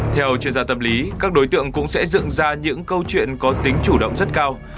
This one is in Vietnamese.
theo chuyên gia tâm lý các đối tượng cũng sẽ dựng ra những câu chuyện có tính chủ động rất cao